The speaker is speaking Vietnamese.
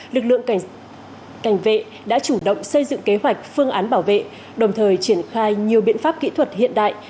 lực lượng cảnh vệ đã chủ động xây dựng kế hoạch phương án bảo vệ đồng thời triển khai nhiều biện pháp kỹ thuật hiện đại